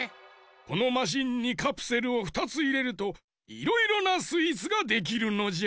このマシンにカプセルを２ついれるといろいろなスイーツができるのじゃ。